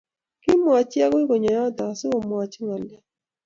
kimwachi agui konyo nyoto asigomwachi ngolyo